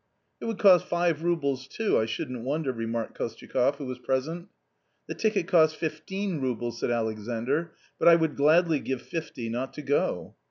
" It would cost five roubles too, I shouldn't wonder," remarked Kostyakoff who was present. "The ticket costs fifteen roubles," said Alexandr, "but I would gladly give fifty not to go."